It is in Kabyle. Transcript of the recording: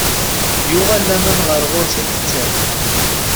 Yuɣal laman ɣer ɣur-s i tettaf.